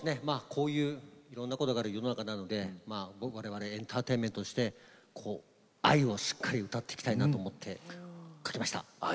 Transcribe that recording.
こういういろんなことがある世の中なので我々エンターテインメントとして愛をしっかり歌っていきたいなと思って書きました。